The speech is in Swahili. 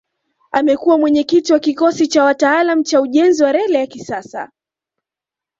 Amekua mwenyekiti wa kikosi cha wataalamu cha ujenzi wa reli ya kisasa